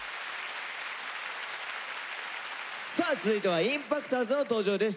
さあ続いてはＩＭＰＡＣＴｏｒｓの登場です。